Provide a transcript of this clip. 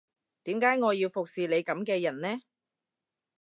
點解我要服侍你噉嘅人呢